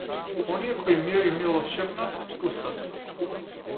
Оние кои мир и милост шепнат, устат.